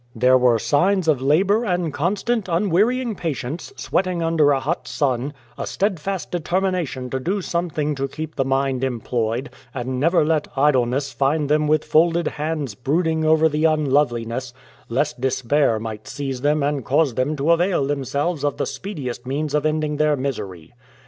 There were H 113 A VISIT FROM STANLEY signs of labour and constant, unwearying patience, sweat ing under a hot sun, a steadfast determination to do something to keep the mind employed, and never let idleness find them with folded hands brooding over the unloveliness, lest despair might seize them and cause them to avail themselves of the speediest means of end ing their misery.